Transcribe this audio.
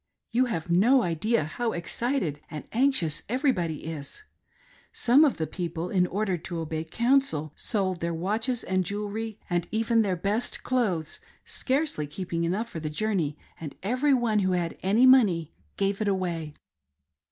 You have no idea how excited and anxious everybody is. Some of the people, in order to obey counsel, sold their watches and jewelry, and even their best clothes, scarcely keeping enough for the journey, and every one who had any money gave it away.